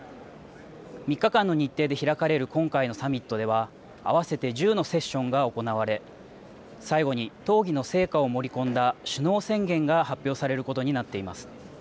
３日間の日程で開かれる今回のサミットでは合わせて１０のセッションが行われ最後に討議の成果を盛り込んだ首脳宣言が発表されることになっています。